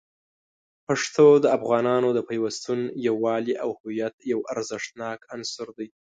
پښتو د افغانانو د پیوستون، یووالي، او هویت یو ارزښتناک عنصر دی.